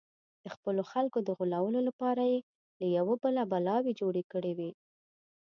د خپلو خلکو د غولولو لپاره یې له یوه بله بلاوې جوړې کړې وې.